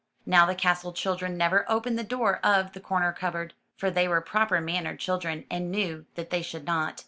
Now, the castle children never opened the door of the corner cupboard, for they were proper mannered children and knew that they should not.